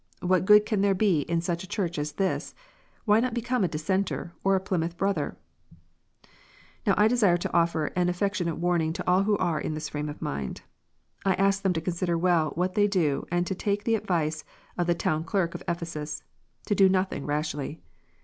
What good can there be in such a Church as this 1 Why not become a Dissenter or a Plymouth Brother ?" Now I desire to offer an affectionate warning to all who are in this frame of mind. I ask them to consider well what they do, and to take the advice of the town clerk of Ephesus, " To do nothing rashly."